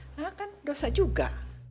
nah kan dosa juga